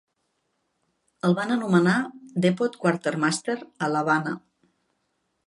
El van anomenar Depot Quartermaster a l'Havana.